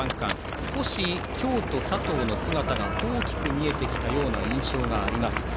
少し、京都の佐藤の姿が大きく見えてきた印象があります。